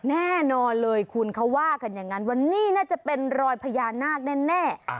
แน่นอนเลยคุณเขาว่ากันอย่างนั้นว่านี่น่าจะเป็นรอยพญานาคแน่